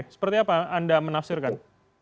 seperti apa anda menafsirkan